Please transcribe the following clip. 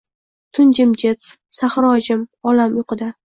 Tun jimjit. Sahro jim. Olam uyquda.